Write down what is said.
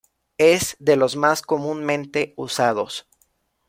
Es de los más comúnmente usados.